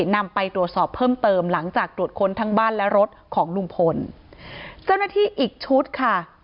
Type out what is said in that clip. นำไปตรวจสอบเพิ่มเติมหลังจากตรวจค้นทั้งบ้านและรถของลุงพลเจ้าหน้าที่อีกชุดค่ะ